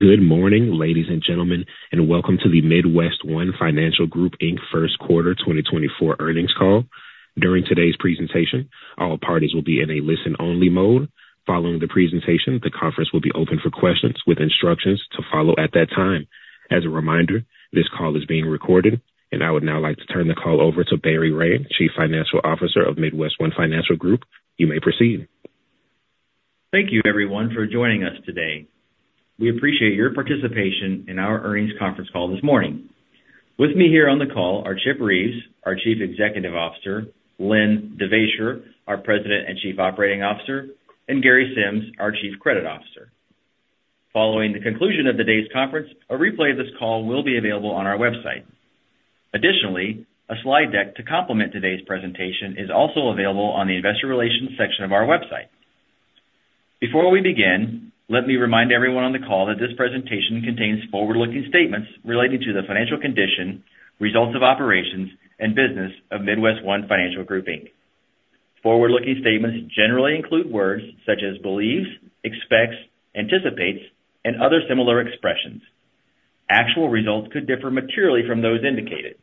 Good morning, ladies and gentlemen, and welcome to the MidWestOne Financial Group, Inc. First Quarter 2024 Earnings Call. During today's presentation, all parties will be in a listen-only mode. Following the presentation, the conference will be open for questions with instructions to follow at that time. As a reminder, this call is being recorded, and I would now like to turn the call over to Barry Ray, Chief Financial Officer of MidWestOne Financial Group. You may proceed. Thank you, everyone, for joining us today. We appreciate your participation in our Earnings Conference Call this morning. With me here on the call are Chip Reeves, our Chief Executive Officer, Len Devaisher, our President and Chief Operating Officer, and Gary Sims, our Chief Credit Officer. Following the conclusion of today's conference, a replay of this call will be available on our website. Additionally, a slide deck to complement today's presentation is also available on the investor relations section of our website. Before we begin, let me remind everyone on the call that this presentation contains forward-looking statements related to the financial condition, results of operations, and business of MidWestOne Financial Group, Inc. Forward-looking statements generally include words such as believes, expects, anticipates, and other similar expressions. Actual results could differ materially from those indicated.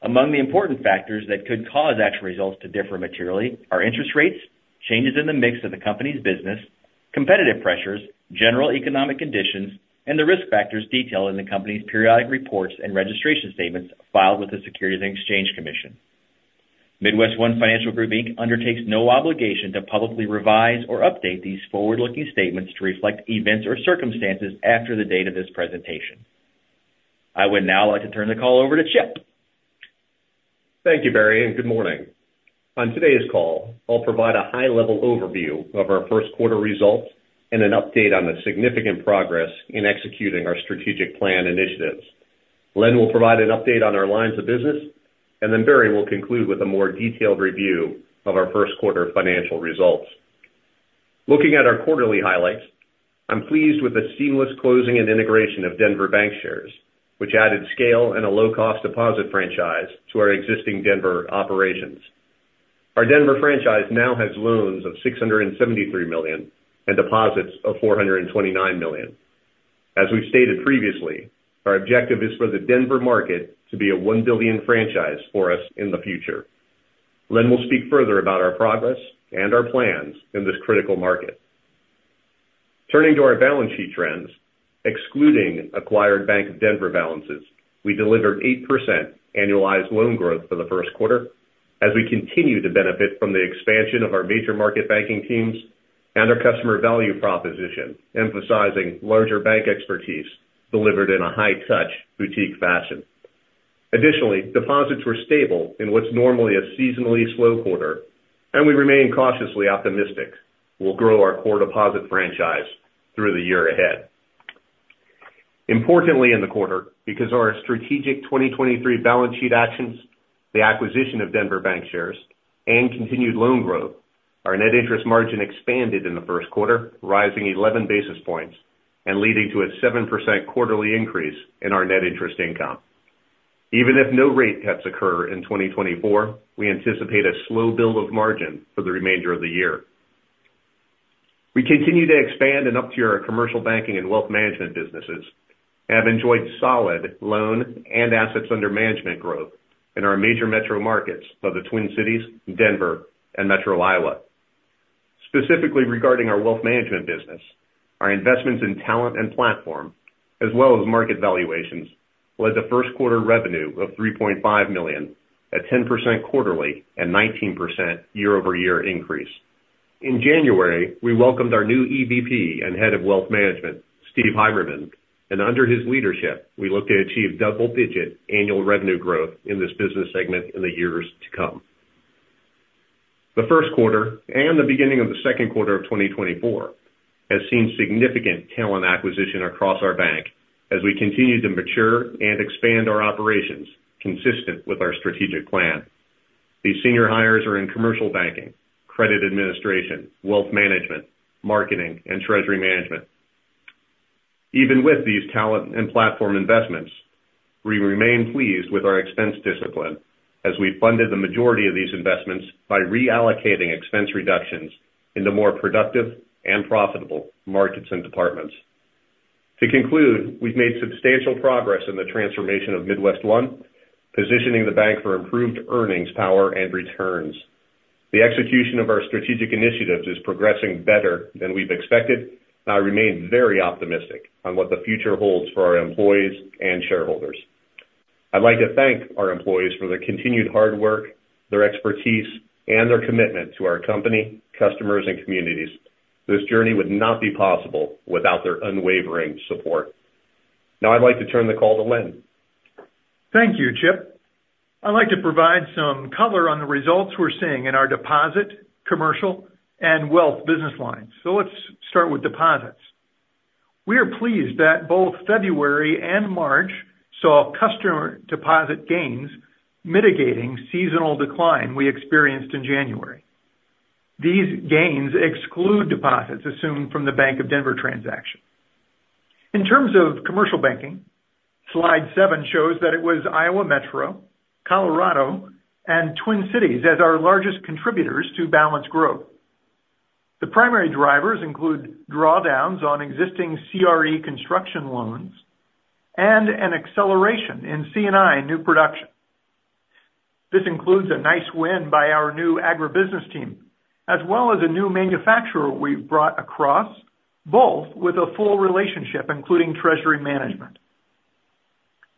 Among the important factors that could cause actual results to differ materially are interest rates, changes in the mix of the company's business, competitive pressures, general economic conditions, and the risk factors detailed in the company's periodic reports and registration statements filed with the Securities and Exchange Commission. MidWestOne Financial Group, Inc. undertakes no obligation to publicly revise or update these forward-looking statements to reflect events or circumstances after the date of this presentation. I would now like to turn the call over to Chip. Thank you, Barry, and good morning. On today's call, I'll provide a high-level overview of our first quarter results and an update on the significant progress in executing our strategic plan initiatives. Len will provide an update on our lines of business, and then Barry will conclude with a more detailed review of our first quarter financial results. Looking at our quarterly highlights, I'm pleased with the seamless closing and integration of Denver Bankshares, which added scale and a low-cost deposit franchise to our existing Denver operations. Our Denver franchise now has loans of $673 million and deposits of $429 million. As we've stated previously, our objective is for the Denver market to be a $1 billion franchise for us in the future. Len will speak further about our progress and our plans in this critical market. Turning to our balance sheet trends, excluding acquired Bank of Denver balances, we delivered 8% annualized loan growth for the first quarter as we continue to benefit from the expansion of our major market banking teams and our customer value proposition, emphasizing larger bank expertise delivered in a high-touch boutique fashion. Additionally, deposits were stable in what's normally a seasonally slow quarter, and we remain cautiously optimistic we'll grow our core deposit franchise through the year ahead. Importantly, in the quarter, because our strategic 2023 balance sheet actions, the acquisition of Denver Bankshares, and continued loan growth, our net interest margin expanded in the first quarter, rising 11 basis points and leading to a 7% quarterly increase in our net interest income. Even if no rate cuts occur in 2024, we anticipate a slow build of margin for the remainder of the year. We continue to expand and up-tier our commercial banking and wealth management businesses have enjoyed solid loan and assets under management growth in our major metro markets of the Twin Cities, Denver, and Metro Iowa. Specifically regarding our wealth management business, our investments in talent and platform, as well as market valuations, led to first quarter revenue of $3.5 million at 10% quarterly and 19% year-over-year increase. In January, we welcomed our new EVP and Head of Wealth Management, Steven Heimermann, and under his leadership, we look to achieve double-digit annual revenue growth in this business segment in the years to come. The first quarter and the beginning of the second quarter of 2024 has seen significant talent acquisition across our bank as we continue to mature and expand our operations consistent with our strategic plan. These senior hires are in commercial banking, credit administration, wealth management, marketing, and treasury management. Even with these talent and platform investments, we remain pleased with our expense discipline as we funded the majority of these investments by reallocating expense reductions into more productive and profitable markets and departments. To conclude, we've made substantial progress in the transformation of MidWestOne, positioning the bank for improved earnings power and returns. The execution of our strategic initiatives is progressing better than we've expected, and I remain very optimistic on what the future holds for our employees and shareholders. I'd like to thank our employees for their continued hard work, their expertise, and their commitment to our company, customers, and communities. This journey would not be possible without their unwavering support. Now, I'd like to turn the call to Len. Thank you, Chip. I'd like to provide some color on the results we're seeing in our deposit, commercial, and wealth business lines. So let's start with deposits. We are pleased that both February and March saw customer deposit gains, mitigating seasonal decline we experienced in January. These gains exclude deposits assumed from the Bank of Denver transaction. In terms of commercial banking, Slide 7 shows that it was Iowa Metro, Colorado, and Twin Cities as our largest contributors to balance growth. The primary drivers include drawdowns on existing CRE construction loans and an acceleration in C&I new production. This includes a nice win by our new agribusiness team, as well as a new manufacturer we've brought across, both with a full relationship, including treasury management.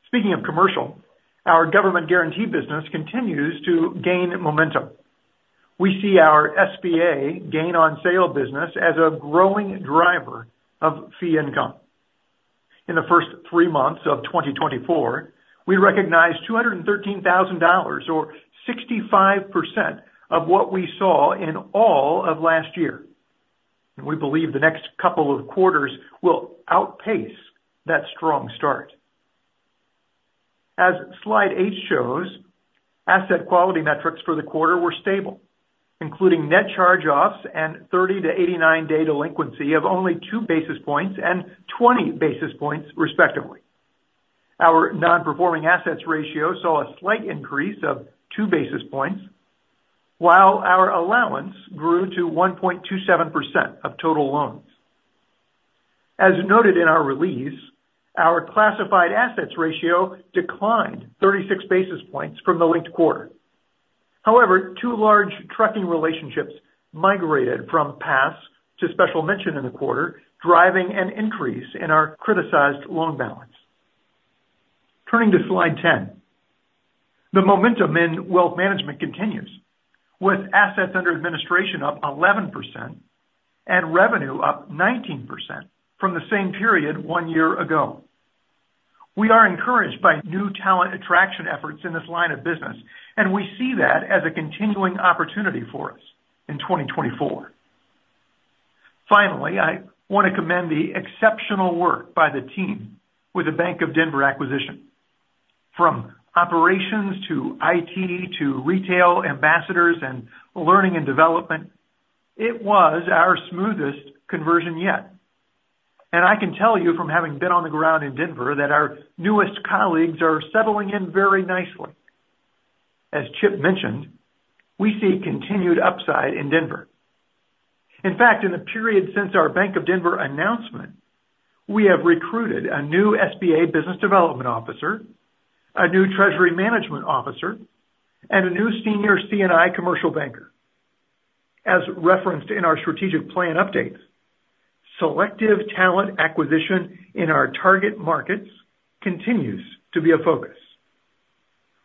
Speaking of commercial, our government guarantee business continues to gain momentum. We see our SBA gain on sale business as a growing driver of fee income. In the first three months of 2024, we recognized $213 thousand, or 65% of what we saw in all of last year, and we believe the next couple of quarters will outpace that strong start. As Slide 8 shows, asset quality metrics for the quarter were stable, including net charge-offs and 30- to 89-day delinquency of only 2 basis points and 20 basis points, respectively. Our non-performing assets ratio saw a slight increase of 2 basis points, while our allowance grew to 1.27% of total loans. As noted in our release, our classified assets ratio declined 36 basis points from the linked quarter. However, two large trucking relationships migrated from pass to special mention in the quarter, driving an increase in our criticized loan balance. Turning to Slide 10. The momentum in wealth management continues, with assets under administration up 11% and revenue up 19% from the same period one year ago. We are encouraged by new talent attraction efforts in this line of business, and we see that as a continuing opportunity for us in 2024. Finally, I want to commend the exceptional work by the team with the Bank of Denver acquisition. From operations to IT, to retail ambassadors and learning and development, it was our smoothest conversion yet. I can tell you from having been on the ground in Denver, that our newest colleagues are settling in very nicely. As Chip mentioned, we see continued upside in Denver. In fact, in the period since our Bank of Denver announcement, we have recruited a new SBA business development officer, a new treasury management officer, and a new senior C&I commercial banker. As referenced in our strategic plan update, selective talent acquisition in our target markets continues to be a focus.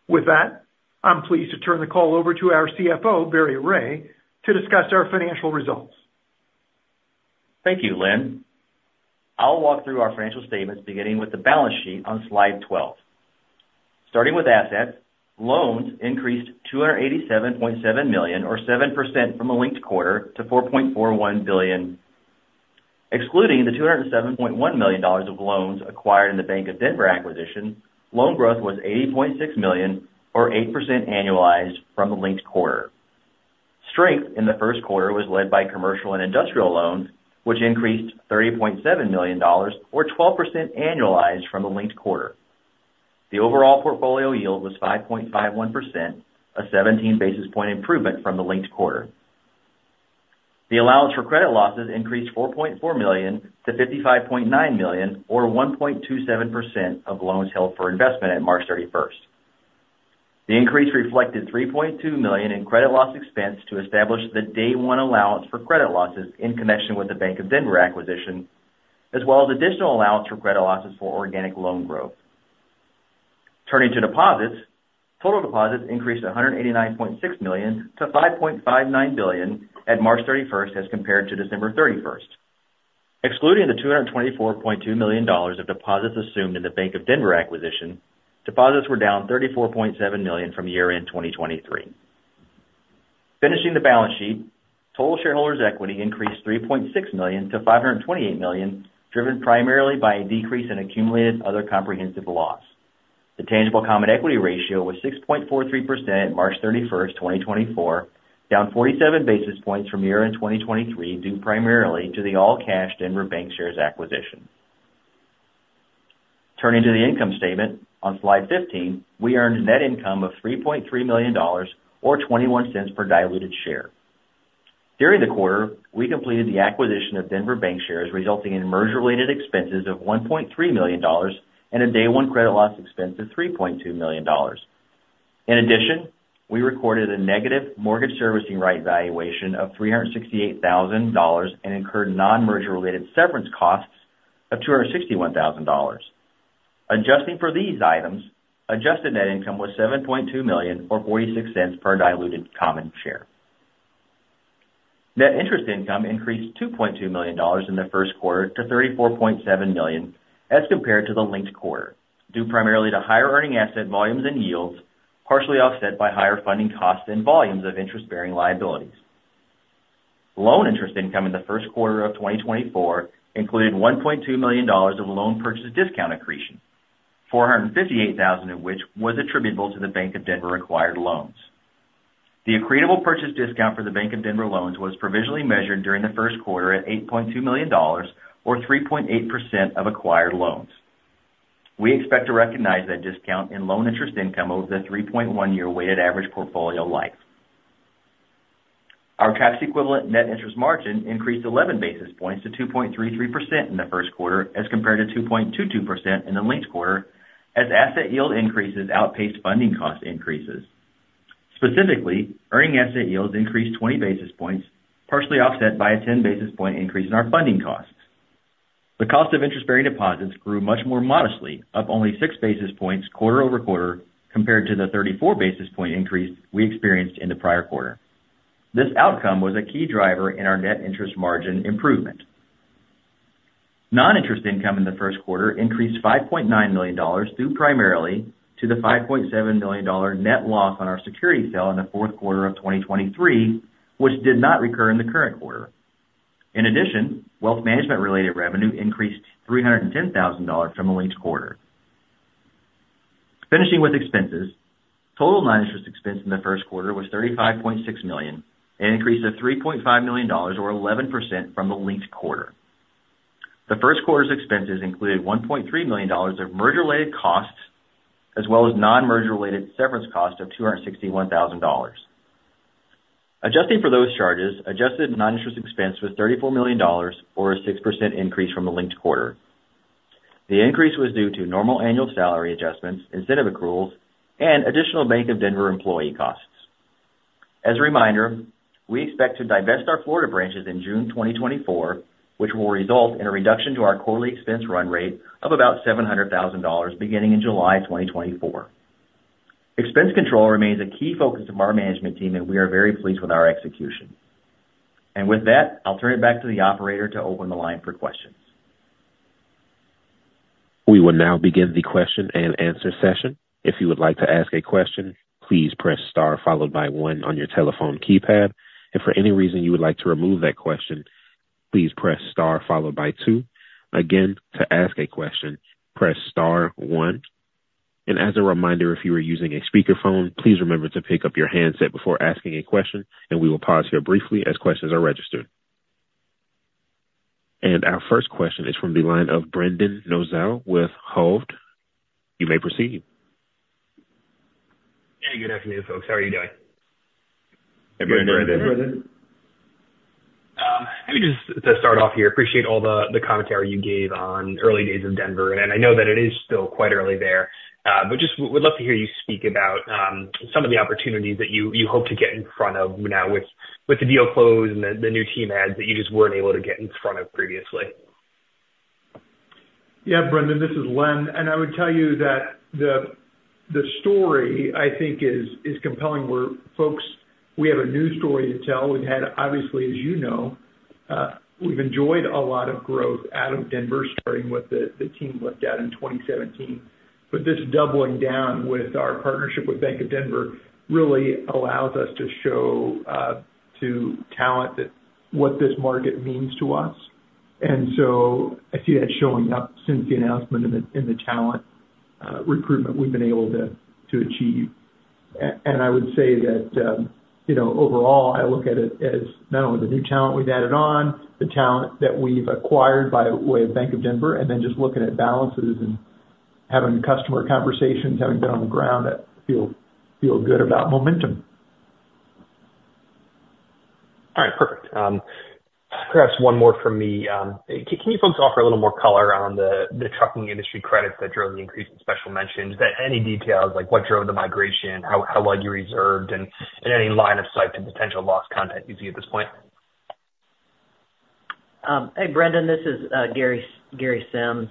With that, I'm pleased to turn the call over to our CFO, Barry Ray, to discuss our financial results. Thank you, Len. I'll walk through our financial statements, beginning with the balance sheet on slide 12. Starting with assets, loans increased $287.7 million, or 7% from the linked quarter to $4.41 billion. Excluding the $207.1 million of loans acquired in the Bank of Denver acquisition, loan growth was $80.6 million, or 8% annualized from the linked quarter. Strength in the first quarter was led by commercial and industrial loans, which increased $30.7 million or 12% annualized from the linked quarter. The overall portfolio yield was 5.51%, a 17 basis point improvement from the linked quarter. The allowance for credit losses increased $4.4 million-$55.9 million, or 1.27% of loans held for investment at March thirty-first. The increase reflected $3.2 million in credit loss expense to establish the day one allowance for credit losses in connection with the Bank of Denver acquisition, as well as additional allowance for credit losses for organic loan growth. Turning to deposits. Total deposits increased to $189.6 million-$5.59 billion at March thirty-first, as compared to December thirty-first. Excluding the $224.2 million of deposits assumed in the Bank of Denver acquisition, deposits were down $34.7 million from year-end 2023. Finishing the balance sheet, total shareholders' equity increased $3.6 million-$528 million, driven primarily by a decrease in accumulated other comprehensive loss. The tangible common equity ratio was 6.43% March 31, 2024, down 47 basis points from year-end 2023, due primarily to the all-cash Denver Bankshares acquisition. Turning to the income statement on Slide 15, we earned net income of $3.3 million or $0.21 per diluted share. During the quarter, we completed the acquisition of Denver Bankshares, resulting in merger-related expenses of $1.3 million and a day one credit loss expense of $3.2 million. In addition, we recorded a negative mortgage servicing right valuation of $368,000 and incurred non-merger-related severance costs of $261,000. Adjusting for these items, adjusted net income was $7.2 million, or $0.46 per diluted common share. Net interest income increased $2.2 million in the first quarter to $34.7 million as compared to the linked quarter, due primarily to higher earning asset volumes and yields, partially offset by higher funding costs and volumes of interest-bearing liabilities. Loan interest income in the first quarter of 2024 included $1.2 million of loan purchase discount accretion, $458,000 of which was attributable to the Bank of Denver acquired loans. The accretable purchase discount for the Bank of Denver loans was provisionally measured during the first quarter at $8.2 million, or 3.8% of acquired loans. We expect to recognize that discount in loan interest income over the 3.1-year weighted average portfolio life. Our tax equivalent net interest margin increased 11 basis points to 2.33% in the first quarter, as compared to 2.22% in the linked quarter, as asset yield increases outpaced funding cost increases. Specifically, earning asset yields increased 20 basis points, partially offset by a 10 basis point increase in our funding costs. The cost of interest-bearing deposits grew much more modestly, up only 6 basis points quarter-over-quarter, compared to the 34 basis point increase we experienced in the prior quarter. This outcome was a key driver in our net interest margin improvement. Non-interest income in the first quarter increased $5.9 million, due primarily to the $5.7 million net loss on our security sale in the fourth quarter of 2023, which did not recur in the current quarter. In addition, wealth management-related revenue increased $310,000 from the linked quarter. Finishing with expenses, total non-interest expense in the first quarter was $35.6 million, an increase of $3.5 million, or 11% from the linked quarter. The first quarter's expenses included $1.3 million of merger-related costs, as well as non-merger-related severance costs of $261,000. Adjusting for those charges, adjusted non-interest expense was $34 million or a 6% increase from the linked quarter. The increase was due to normal annual salary adjustments, incentive accruals, and additional Bank of Denver employee costs. As a reminder, we expect to divest our Florida branches in June 2024, which will result in a reduction to our quarterly expense run rate of about $700,000 beginning in July 2024. Expense control remains a key focus of our management team, and we are very pleased with our execution. With that, I'll turn it back to the operator to open the line for questions. We will now begin the question-and-answer session. If you would like to ask a question, please press star followed by one on your telephone keypad. If for any reason you would like to remove that question, please press star followed by two. Again, to ask a question, press star one. And as a reminder, if you are using a speakerphone, please remember to pick up your handset before asking a question, and we will pause here briefly as questions are registered. And our first question is from the line of Brendan Nosal with Hovde. You may proceed. Hey, good afternoon, folks. How are you doing? Hey, Brendan. Brendan. Let me just to start off here, appreciate all the, the commentary you gave on early days of Denver, and I know that it is still quite early there. But just would love to hear you speak about, some of the opportunities that you, you hope to get in front of now with, with the deal closed and the, the new team adds that you just weren't able to get in front of previously. Yeah, Brendan, this is Len, and I would tell you that the story I think is compelling, where folks, we have a new story to tell. We've had obviously, as you know, we've enjoyed a lot of growth out of Denver, starting with the team looked at in 2017. But this doubling down with our partnership with Bank of Denver really allows us to show to talent that what this market means to us. And so I see that showing up since the announcement in the talent recruitment we've been able to achieve. I would say that, you know, overall, I look at it as not only the new talent we've added on, the talent that we've acquired by way of Bank of Denver, and then just looking at balances and having customer conversations, having been on the ground that feel good about momentum. All right. Perfect. Perhaps one more from me. Can you folks offer a little more color around the trucking industry credits that drove the increase in special mentions? Any details like what drove the migration, how well you reserved, and any line of sight to potential loss content you see at this point? Hey, Brendan, this is Gary Sims.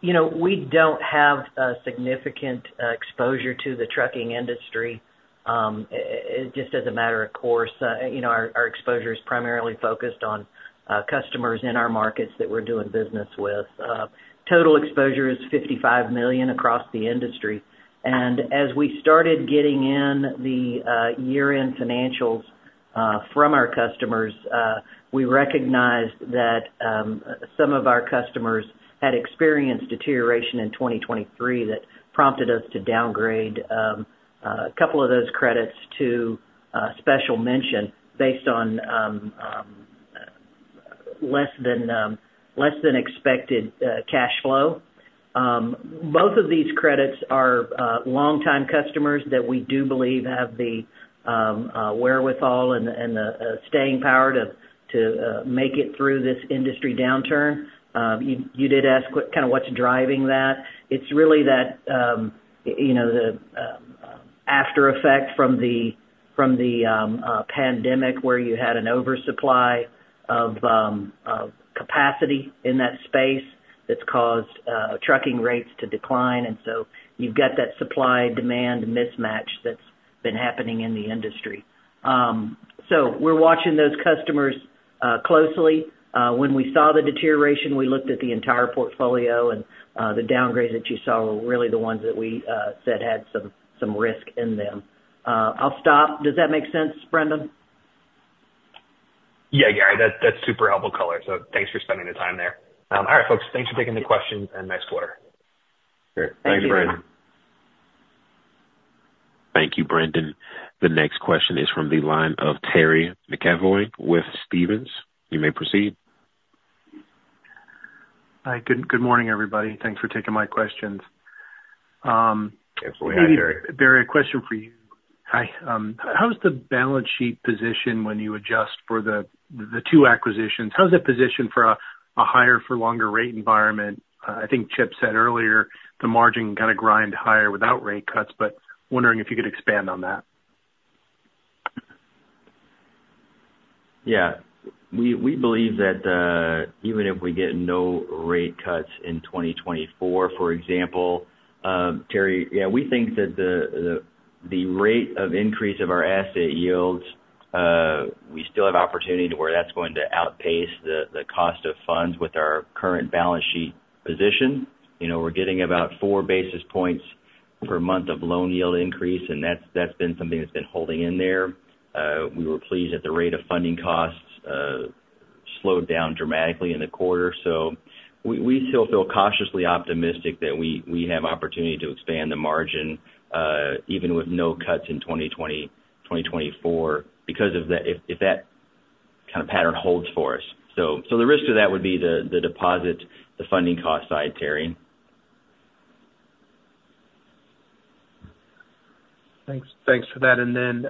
You know, we don't have a significant exposure to the trucking industry. Just as a matter of course, you know, our exposure is primarily focused on customers in our markets that we're doing business with. Total exposure is $55 million across the industry. As we started getting in the year-end financials from our customers, we recognized that some of our customers had experienced deterioration in 2023, that prompted us to downgrade a couple of those credits to special mention based on less than expected cash flow. Both of these credits are long-time customers that we do believe have the wherewithal and the staying power to make it through this industry downturn. You did ask what kind of what's driving that? It's really that, you know, the aftereffect from the pandemic, where you had an oversupply of capacity in that space that's caused trucking rates to decline, and so you've got that supply-demand mismatch that's been happening in the industry. So we're watching those customers closely. When we saw the deterioration, we looked at the entire portfolio and the downgrades that you saw were really the ones that we said had some risk in them. I'll stop. Does that make sense, Brendan? Yeah, Gary, that's, that's super helpful color, so thanks for spending the time there. All right, folks, thanks for taking the questions, and next quarter. Great. Thank you, Brendan. Thank you, Brendan. The next question is from the line of Terry McEvoy with Stephens. You may proceed. Hi, good morning, everybody. Thanks for taking my questions. Absolutely, Terry. Maybe, Barry, a question for you. Hi, how's the balance sheet position when you adjust for the two acquisitions? How's that positioned for a higher for longer rate environment? I think Chip said earlier, the margin kind of grind higher without rate cuts, but wondering if you could expand on that. Yeah. We believe that even if we get no rate cuts in 2024, for example, Terry, yeah, we think that the rate of increase of our asset yields, we still have opportunity to where that's going to outpace the cost of funds with our current balance sheet position. You know, we're getting about 4 basis points per month of loan yield increase, and that's been something that's been holding in there. We were pleased that the rate of funding costs slowed down dramatically in the quarter. So we still feel cautiously optimistic that we have opportunity to expand the margin, even with no cuts in 2024, because of the, if that kind of pattern holds for us. So, the risk of that would be the deposit, the funding cost side, Terry. Thanks, thanks for that. And then,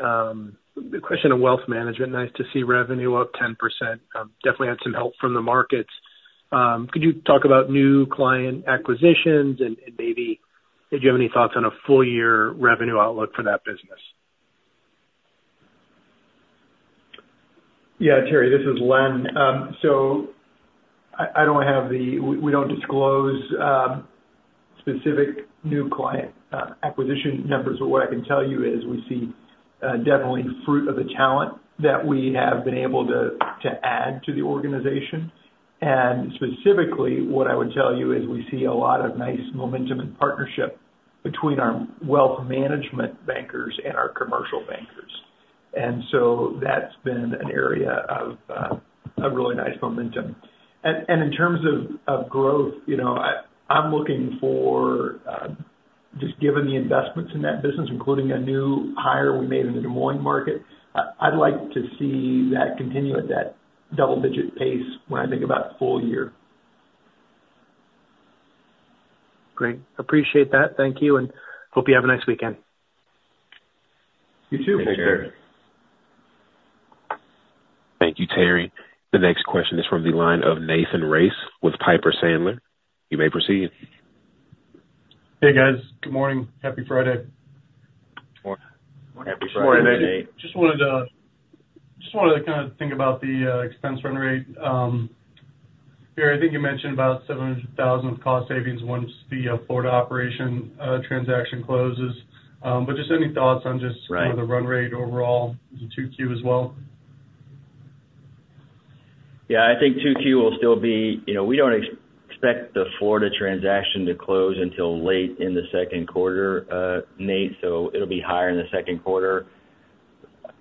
the question of wealth management. Nice to see revenue up 10%. Definitely had some help from the markets. Could you talk about new client acquisitions and, and maybe did you have any thoughts on a full year revenue outlook for that business? Yeah, Terry, this is Len. So I don't have the we don't disclose specific new client acquisition numbers, but what I can tell you is we see definitely fruit of the talent that we have been able to add to the organization. And specifically, what I would tell you is we see a lot of nice momentum and partnership between our wealth management bankers and our commercial bankers. And so that's been an area of a really nice momentum. And in terms of growth, you know, I'm looking for just given the investments in that business, including a new hire we made in the Des Moines market, I'd like to see that continue at that double-digit pace when I think about full year. Great. Appreciate that. Thank you, and hope you have a nice weekend. You too. Take care. Thank you, Terry. The next question is from the line of Nathan Race with Piper Sandler. You may proceed. Hey, guys. Good morning. Happy Friday. Happy Friday. Just wanted to, just wanted to kind of think about the, expense run rate. Barry, I think you mentioned about $700,000 of cost savings once the, Florida operation, transaction closes. But just any thoughts on just- Right the run rate overall, the 2Q as well? Yeah, I think 2Q will still be... You know, we don't expect the Florida transaction to close until late in the second quarter, Nate, so it'll be higher in the second quarter.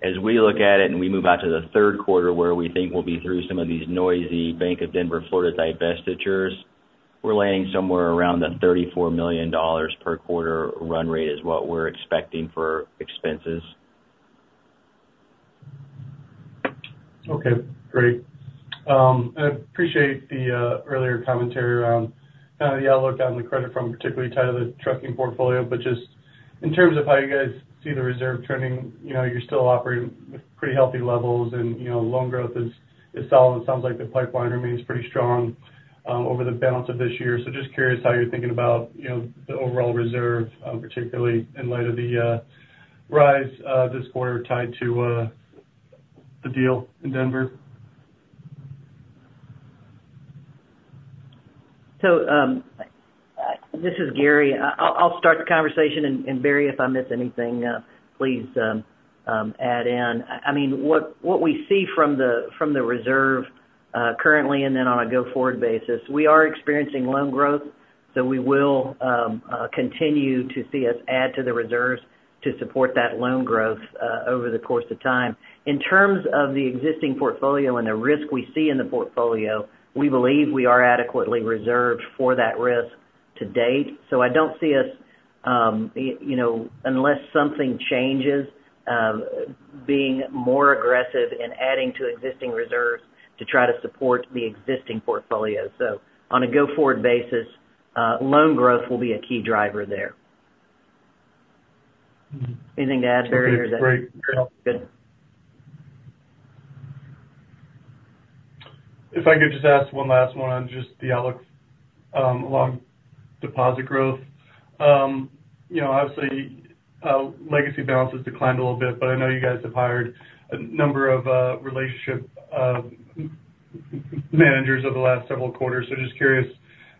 As we look at it and we move out to the third quarter, where we think we'll be through some of these noisy Bank of Denver, Florida divestitures, we're landing somewhere around the $34 million per quarter run rate is what we're expecting for expenses. Okay, great. I appreciate the earlier commentary around kind of the outlook on the credit from particularly tied to the trucking portfolio, but just in terms of how you guys see the reserve trending, you know, you're still operating with pretty healthy levels and, you know, loan growth is solid. It sounds like the pipeline remains pretty strong over the balance of this year. So just curious how you're thinking about, you know, the overall reserve, particularly in light of the rise this quarter tied to the deal in Denver. So, this is Gary. I'll start the conversation, and Barry, if I miss anything, please add in. I mean, what we see from the reserve currently and then on a go-forward basis, we are experiencing loan growth, so we will continue to see us add to the reserves to support that loan growth over the course of time. In terms of the existing portfolio and the risk we see in the portfolio, we believe we are adequately reserved for that risk to date. So I don't see us, you know, unless something changes, being more aggressive in adding to existing reserves to try to support the existing portfolio. So on a go-forward basis, loan growth will be a key driver there. Anything to add, Barry, or is that good? If I could just ask one last one on just the outlook along deposit growth. You know, obviously, legacy balances declined a little bit, but I know you guys have hired a number of relationship managers over the last several quarters. So just curious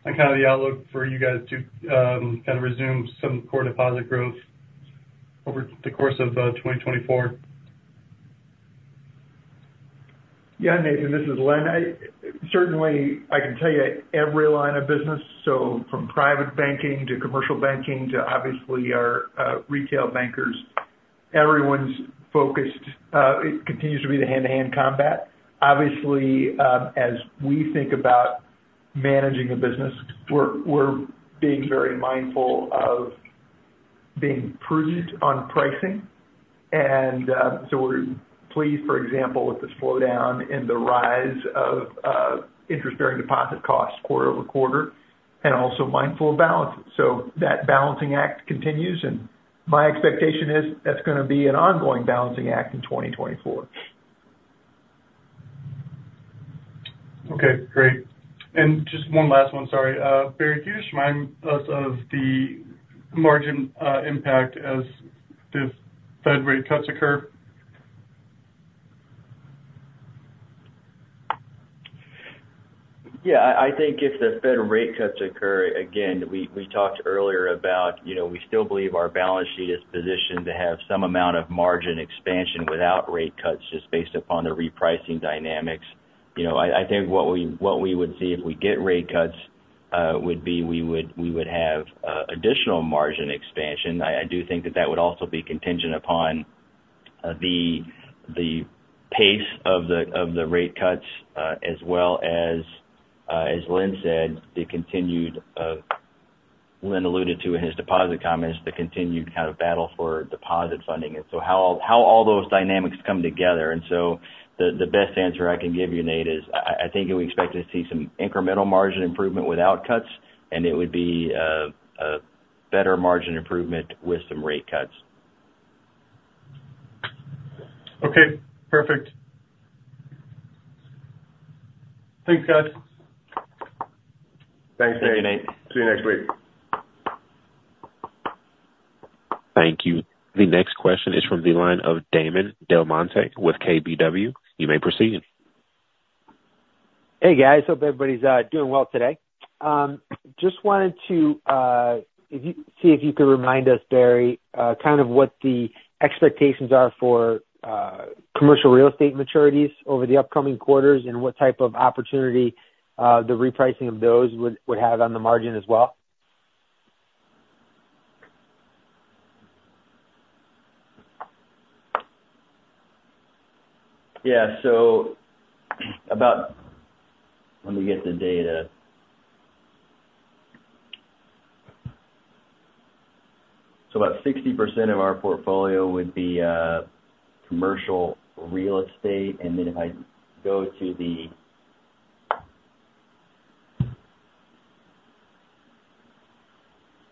on kind of the outlook for you guys to kind of resume some core deposit growth over the course of 2024. Yeah, Nathan, this is Len. Certainly, I can tell you every line of business, so from private banking to commercial banking to obviously our retail bankers, everyone's focused. It continues to be the hand-to-hand combat. Obviously, as we think about managing the business. We're being very mindful of being prudent on pricing. And so we're pleased, for example, with the slowdown in the rise of interest-bearing deposit costs quarter-over-quarter, and also mindful of balances. So that balancing act continues, and my expectation is that's going to be an ongoing balancing act in 2024. Okay, great. And just one last one, sorry. Barry, can you just remind us of the margin impact as the Fed rate cuts occur? Yeah, I think if the Fed rate cuts occur, again, we talked earlier about, you know, we still believe our balance sheet is positioned to have some amount of margin expansion without rate cuts, just based upon the repricing dynamics. You know, I think what we would see if we get rate cuts would be, we would have additional margin expansion. I do think that that would also be contingent upon the pace of the rate cuts as well as, as Len said, the continued—Len alluded to in his deposit comments, the continued kind of battle for deposit funding. And so how all those dynamics come together. And so the best answer I can give you, Nate, is I think we expect to see some incremental margin improvement without cuts, and it would be a better margin improvement with some rate cuts. Okay, perfect. Thanks, guys. Thanks, Nate. Thanks, Nate. See you next week. Thank you. The next question is from the line of Damon DelMonte with KBW. You may proceed. Hey, guys, hope everybody's doing well today. Just wanted to see if you could remind us, Barry, kind of what the expectations are for commercial real estate maturities over the upcoming quarters, and what type of opportunity the repricing of those would have on the margin as well. Yeah, so about... Let me get the data. So about 60% of our portfolio would be commercial real estate. And then if I go to the—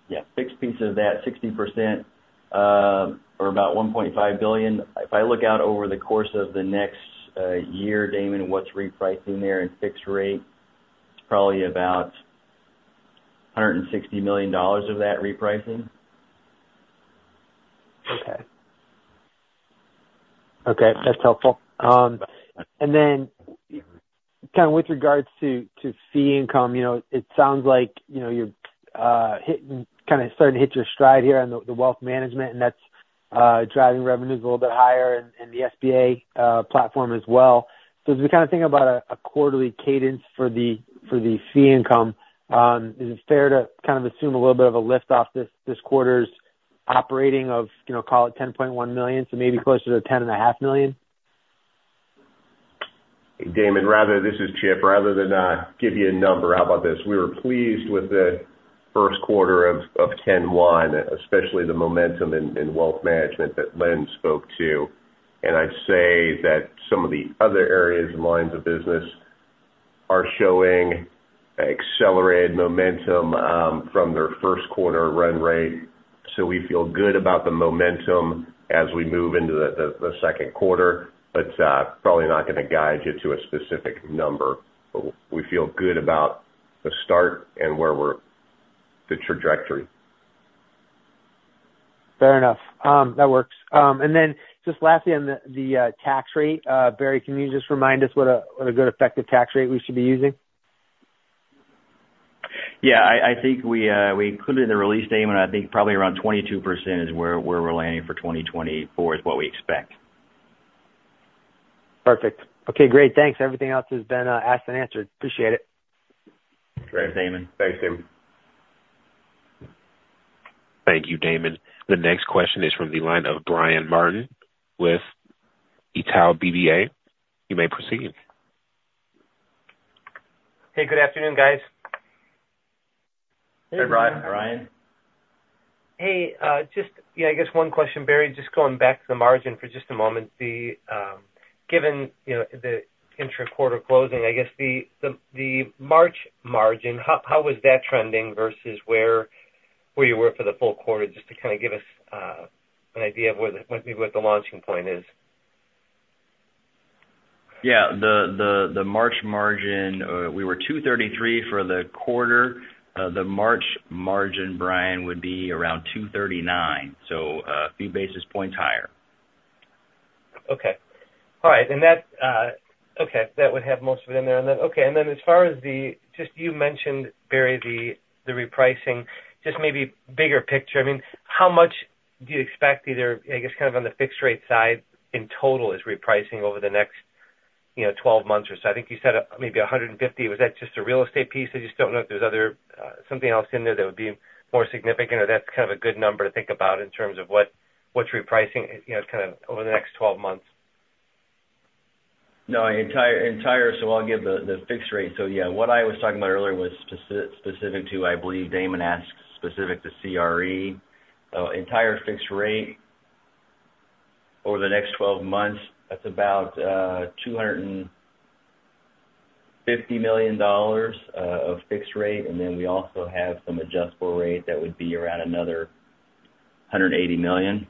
Yeah, fixed piece of that 60%, or about $1.5 billion. If I look out over the course of the next year, Damon, what's repricing there in fixed rate, it's probably about $160 million of that repricing. Okay. Okay, that's helpful. And then, kind of with regards to fee income, you know, it sounds like, you know, you're hitting—kind of starting to hit your stride here on the wealth management, and that's driving revenues a little bit higher and the SBA platform as well. So as we kind of think about a quarterly cadence for the fee income, is it fair to kind of assume a little bit of a lift off this quarter's operating of, you know, call it $10.1 million, so maybe closer to $10.5 million? Damon, this is Chip. Rather than give you a number, how about this? We were pleased with the first quarter of $10.1 million, especially the momentum in wealth management that Len spoke to. And I'd say that some of the other areas and lines of business are showing accelerated momentum from their first quarter run rate. So we feel good about the momentum as we move into the second quarter, but probably not going to guide you to a specific number. But we feel good about the start and where we're the trajectory. Fair enough. That works. And then just lastly, on the tax rate, Barry, can you just remind us what a good effective tax rate we should be using? Yeah, I think we included in the release, Damon. I think probably around 22% is where we're landing for 2024, is what we expect. Perfect. Okay, great. Thanks. Everything else has been asked and answered. Appreciate it. Great, Damon. Thanks, Damon. Thank you, Damon. The next question is from the line of Brian Martin with Janney Montgomery. You may proceed. Hey, good afternoon, guys. Hey, Brian. Brian. Hey, just, yeah, I guess one question, Barry. Just going back to the margin for just a moment. The, given, you know, the intra-quarter closing, I guess the March margin, how was that trending versus where, where you were for the full quarter? Just to kind of give us, an idea of where the, what the launching point is. Yeah, the March margin, we were 233 for the quarter. The March margin, Brian, would be around 239, so, few basis points higher. Okay. All right. And that, Okay, that would have most of it in there. And then, okay, and then as far as the—just you mentioned, Barry, the, the repricing, just maybe bigger picture, I mean, how much do you expect either, I guess, kind of on the fixed rate side in total, is repricing over the next, you know, 12 months or so? I think you said maybe 150. Was that just a real estate piece? I just don't know if there's other something else in there that would be more significant, or that's kind of a good number to think about in terms of what, what's repricing, you know, kind of over the next 12 months. No, entire, entire. So I'll give the fixed rate. So yeah, what I was talking about earlier was specific to, I believe Damon asked, specific to CRE. So entire fixed rate over the next 12 months, that's about $250 million of fixed rate. And then we also have some adjustable rate that would be around another $180 million.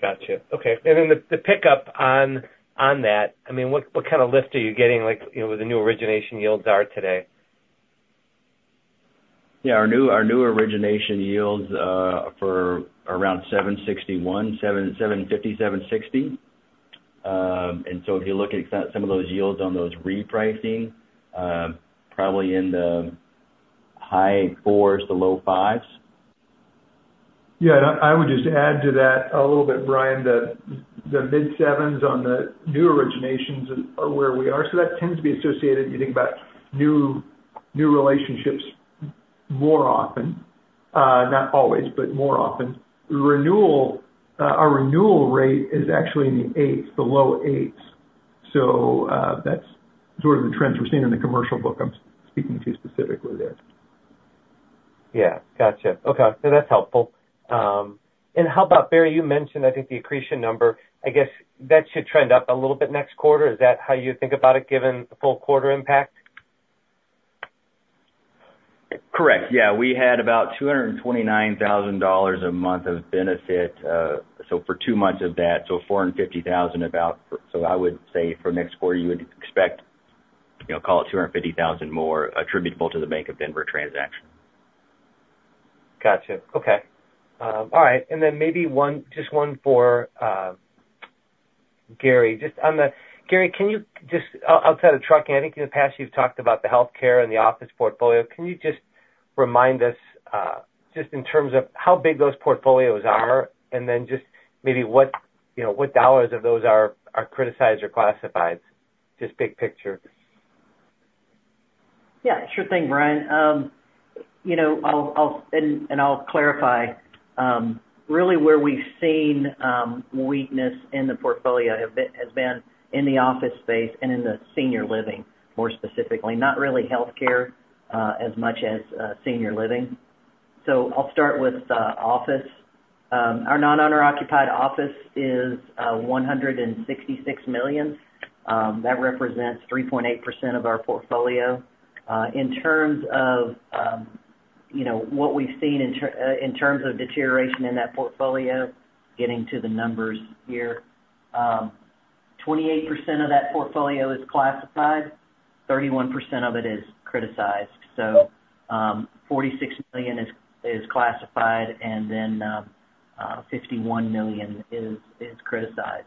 Gotcha. Okay. And then the pickup on that, I mean, what kind of lift are you getting, like, you know, where the new origination yields are today? Yeah, our new, our new origination yields for around 7.61, 7, 7.50, 7.60. And so if you look at some of those yields on those repricing, probably in the high fours to low fives. Yeah, I would just add to that a little bit, Brian, that the mid-7s on the new originations are where we are. So that tends to be associated, you think about new relationships more often, not always, but more often. Renewal, our renewal rate is actually in the low 8s. So, that's sort of the trends we're seeing in the commercial book I'm speaking to specifically there. Yeah. Gotcha. Okay, so that's helpful. And how about, Barry, you mentioned, I think, the accretion number. I guess that should trend up a little bit next quarter. Is that how you think about it, given the full quarter impact? Correct. Yeah, we had about $229,000 a month of benefit. So for two months of that, so about $450,000. So I would say for next quarter, you would expect, you know, call it $250,000 more attributable to the Bank of Denver transaction. Gotcha. Okay. All right. And then maybe one—just one for Gary. Just on the... Gary, can you just, outside of trucking, I think in the past, you've talked about the healthcare and the office portfolio. Can you just remind us, just in terms of how big those portfolios are, and then just maybe what, you know, what dollars of those are, are criticized or classified? Just big picture. Yeah, sure thing, Brian. You know, I'll clarify really where we've seen weakness in the portfolio have been, has been in the office space and in the senior living, more specifically. Not really healthcare, as much as senior living. So I'll start with office. Our non-owner occupied office is $166 million. That represents 3.8% of our portfolio. In terms of, you know, what we've seen in terms of deterioration in that portfolio, getting to the numbers here, 28% of that portfolio is classified, 31% of it is criticized. So, $46 million is classified, and then, $51 million is criticized.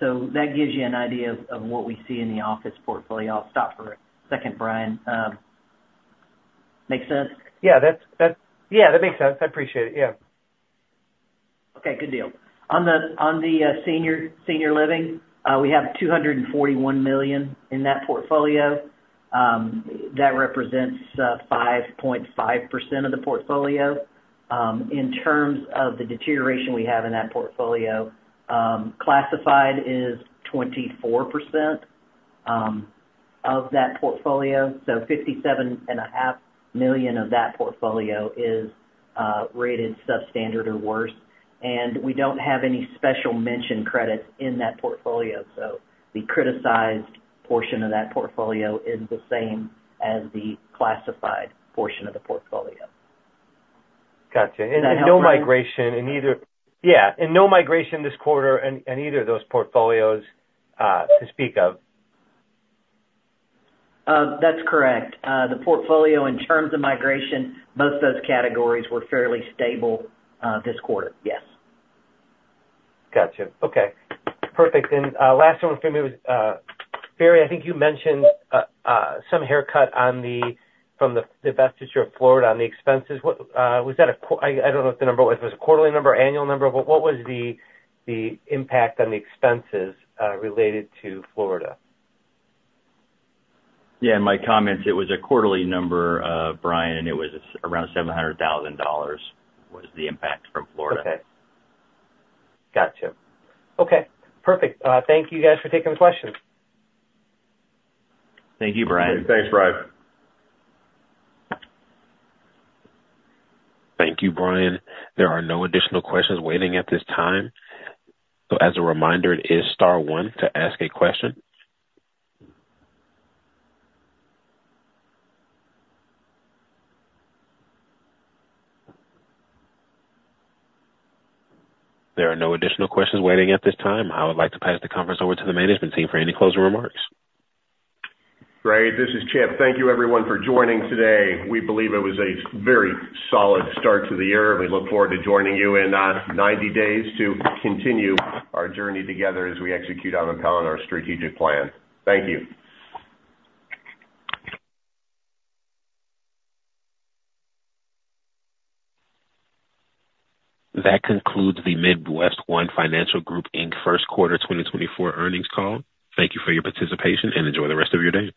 So that gives you an idea of what we see in the office portfolio. I'll stop for a second, Brian. Make sense? Yeah, that's... Yeah, that makes sense. I appreciate it. Yeah. Okay, good deal. On the senior living, we have $241 million in that portfolio. That represents 5.5% of the portfolio. In terms of the deterioration we have in that portfolio, classified is 24% of that portfolio. So $57.5 million of that portfolio is rated substandard or worse, and we don't have any special mention credits in that portfolio. So the criticized portion of that portfolio is the same as the classified portion of the portfolio. Gotcha. Does that help, Brian? No migration in either... Yeah, and no migration this quarter in, in either of those portfolios, to speak of? That's correct. The portfolio, in terms of migration, most of those categories were fairly stable, this quarter. Yes. Gotcha. Okay, perfect. And last one for me was Barry. I think you mentioned some haircut from the divestiture of Florida on the expenses. What was that a quarterly? I don't know what the number was. It was a quarterly number, annual number? What was the impact on the expenses related to Florida? Yeah, in my comments, it was a quarterly number, Brian. It was around $700,000, was the impact from Florida. Okay. Gotcha. Okay, perfect. Thank you guys for taking the questions. Thank you, Brian. Thanks, Brian. Thank you, Brian. There are no additional questions waiting at this time. As a reminder, it is star one to ask a question. There are no additional questions waiting at this time. I would like to pass the conference over to the management team for any closing remarks. Great. This is Chip. Thank you, everyone, for joining today. We believe it was a very solid start to the year. We look forward to joining you in 90 days to continue our journey together as we execute on our strategic plan. Thank you. That concludes the MidWestOne Financial Group, Inc. first quarter 2024 earnings call. Thank you for your participation, and enjoy the rest of your day.